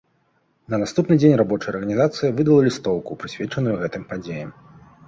На наступны дзень рабочая арганізацыя выдала лістоўку, прысвечаную гэтым падзеям.